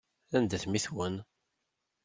Anda-t mmi-twen?